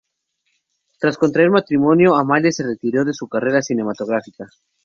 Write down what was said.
Tras contraer matrimonio, Amalia se retiró de su carrera cinematográfica.